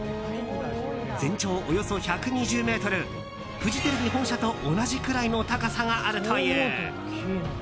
全長およそ１２０ｍフジテレビ本社と同じくらいの高さがあるという。